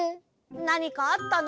なにかあったの？